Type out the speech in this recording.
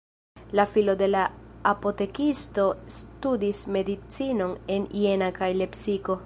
La filo de apotekisto studis medicinon en Jena kaj Lepsiko.